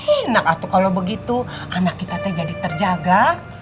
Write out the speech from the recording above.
enak atuh kalau begitu anak kita teh jadi terjaga